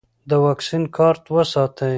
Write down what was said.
د واکسین کارت وساتئ.